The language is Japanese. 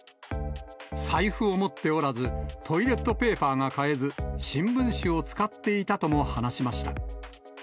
財布を持っておらず、トイレットペーパーが買えず、新聞紙を使っていたとも話しました。